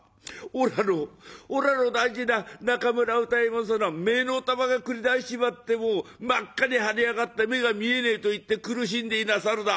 「おらのおらの大事な中村歌右衛門様の目の玉がくり出しちまってもう真っ赤に腫れ上がって目が見えねえと言って苦しんでいなさるだ。